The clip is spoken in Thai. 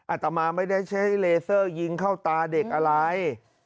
อาตมาไม่ได้ใช้เลเซอร์ยิงเข้าตาเด็กอะไร